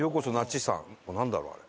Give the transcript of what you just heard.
なんだろう？あれ。